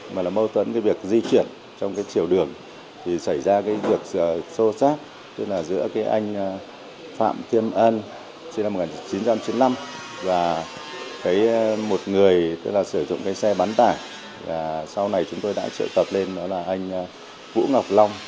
một người sử dụng xe bắn tải sau này chúng tôi đã trợ tập lên là anh vũ ngọc long